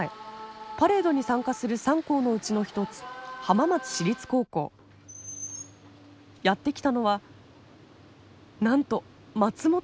パレードに参加する３校のうちの一つやって来たのはなんと松本潤さんです。